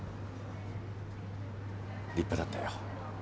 立派だったよ。